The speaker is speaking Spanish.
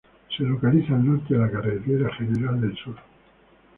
Se localiza al norte de la Carretera General del Sur.